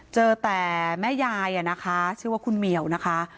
เจอแต่แม่ยายนะคะชื่อว่าคุณเหมียวนะคะ